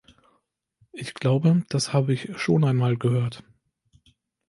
Ich glaube, das habe ich schon einmal gehört.